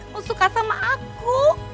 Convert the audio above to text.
kamu suka sama aku